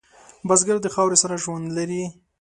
بزګر د خاورې سره ژوند لري